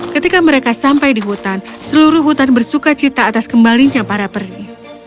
ketika mereka sampai di hutan seluruh hutan bersuka cita atas kembalinya para peri